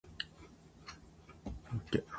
自然で会話的